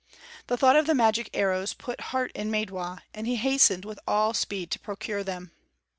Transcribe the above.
The thought of the magic arrows put heart in Maidwa, and he hastened with all speed to procure them.